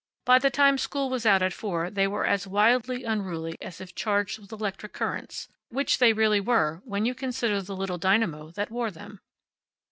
By the time school was out at four they were as wildly unruly as if charged with electric currents which they really were, when you consider the little dynamo that wore them.